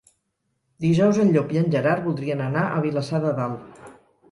Dijous en Llop i en Gerard voldrien anar a Vilassar de Dalt.